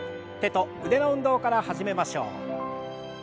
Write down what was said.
手と腕の運動から始めましょう。